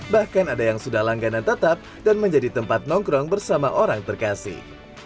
bahkan ada yang sudah langganan tetap dan menjadi tempat nongkrong bersama orang terkasih